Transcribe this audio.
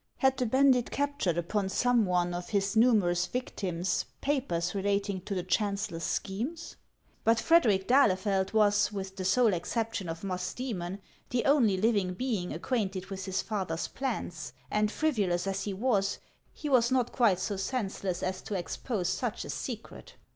Had the bandit captured upon some one of his numerous vic tims, papers relating to the chancellor's schemes ? But Frederic d'Ahlefeld was, with the sole exception of Mus dcemon, the only living being acquainted with his father's plans, and frivolous as he was, he was not quite so sense less as to expose such a secret.